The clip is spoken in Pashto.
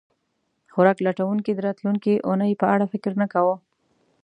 خوراک لټونکي د راتلونکې اوونۍ په اړه فکر نه کاوه.